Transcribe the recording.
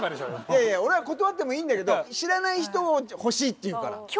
いやいや俺は断ってもいいんだけど知らない人を欲しいっていうから。